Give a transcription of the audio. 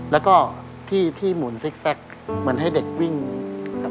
แล้วก็ที่ที่หมุนเซ็กเหมือนให้เด็กวิ่งครับ